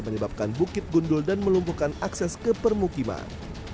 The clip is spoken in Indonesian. menyebabkan bukit gundul dan melumpuhkan akses ke permukiman